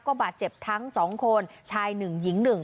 ก็บาดเจ็บทั้งสองคนชายหนึ่งหญิงหนึ่ง